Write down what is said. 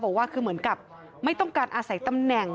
บอกว่าคือเหมือนกับไม่ต้องการอาศัยตำแหน่ง